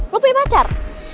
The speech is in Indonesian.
lo punya pacar